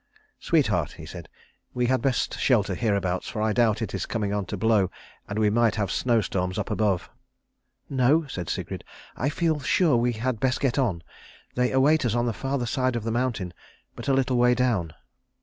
"Sweetheart," he said, "we had best shelter hereabouts, for I doubt it is coming on to blow, and we might have snowstorms up above." "No," said Sigrid, "I feel sure we had best get on. They await us on the further side of the mountain, but a little way down."